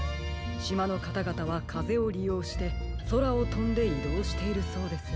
しまのかたがたはかぜをりようしてそらをとんでいどうしているそうです。